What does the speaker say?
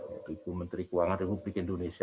yaitu ibu menteri keuangan republik indonesia